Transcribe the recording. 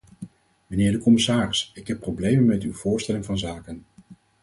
Mijnheer de commissaris, ik heb problemen met uw voorstelling van zaken.